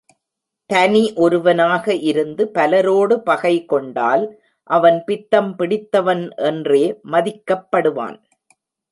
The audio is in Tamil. தனி ஒருவனாக இருந்து பலரோடு பகைகொண்டால் அவன் பித்தம் பிடித்தவன் என்றே மதிக்கப்படுவான்.